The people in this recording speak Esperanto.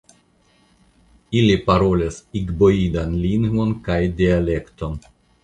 Ili parolas igboidan lingvon kaj dialekton.